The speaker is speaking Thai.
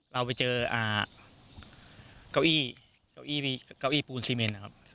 เราไปเจอเก้าอี้เก้าอี้เก้าอี้ปูนซีเมนนะครับ